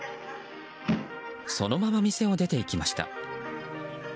そのまま店を出て行きました。